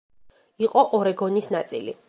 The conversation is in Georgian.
იყო ორეგონის ნაწილი.